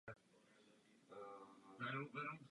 Změnila se však naváděcí soustava.